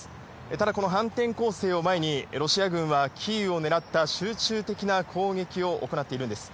ただ、この反転攻勢を前に、ロシア軍はキーウを狙った集中的な攻撃を行っているんです。